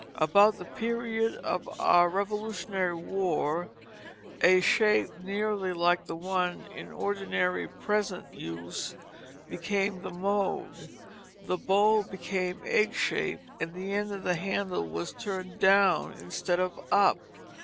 About the period of our Revolutionary War a shape nearly like the one in ordinary present use became the mode; the bowl became egg shaped, and the end of the handle was turned down instead of up.